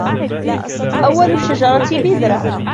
أول الشجرة بذرة